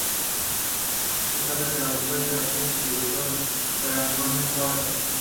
Se sabe que una mujer de la gens utilizó el praenomen "Quarta".